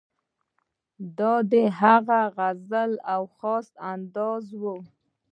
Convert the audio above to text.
دا د هغه خپله غزل او خاص انداز وو.